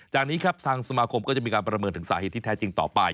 จากนี้ครับทางสมาคมก็จะมีการประเมินถึงสาเหตุที่แท้จริงต่อไป